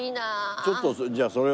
ちょっとじゃあそれを。